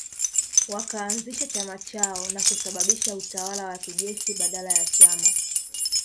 Wakaanzisha chama chao na kusababisha utawala wa kijeshi badala ya chama